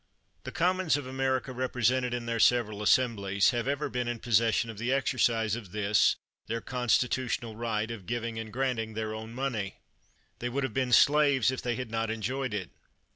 The Commons of America represented in their several assemblies, have ever been in possession of the exercise of this, their constitutional right, of giving and granting their own money. They would have been slaves if they had not enjoyed it!